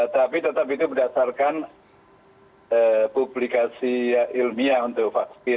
tapi tetap itu berdasarkan publikasi ilmiah untuk vaksin